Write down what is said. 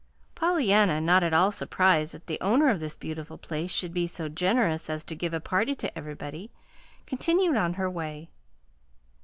Pollyanna, not at all surprised that the owner of this beautiful place should be so generous as to give a party to everybody, continued on her way.